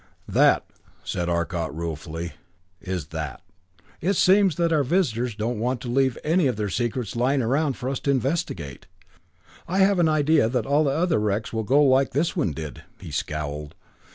"That," said Arcot ruefully, "is that! It seems that our visitors don't want to leave any of their secrets lying around for us to investigate. I've an idea that all the other wrecks will go like this one did." He scowled.